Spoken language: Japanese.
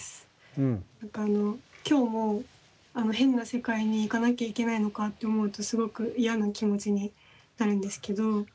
何かあの今日も変な世界に行かなきゃいけないのかと思うとすごく嫌な気持ちになるんですけど。